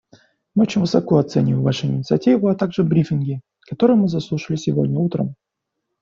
Мы очень высоко оцениваем Вашу инициативу, а также брифинги, которые мы заслушали сегодня утром.